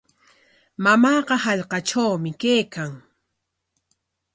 Mamaaqa hallqatrawmi kaykan.